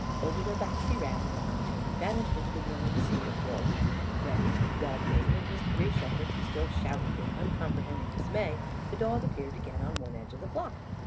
Over their backs he ran; and on until he vanished into the milling sea of wool. Then, while Bayne and his three shepherds still shouted in uncomprehending dismay, the dog appeared again on one edge of the flock.